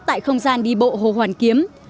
tại không gian đi bộ hồ hoàn kiếm